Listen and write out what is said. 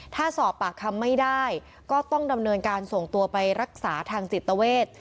ถ้าสอบปากคำไม่ได้ก็ต้องดำเนินการส่งตัวไปรักษาทางจิตเวท